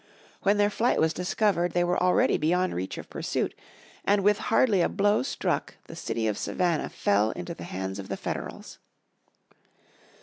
When their flight was discovered they were already beyond reach of pursuit, and with hardly a blow struck, the city of Savannah fell into the hands of the Federals.